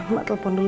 mak telepon dulu ya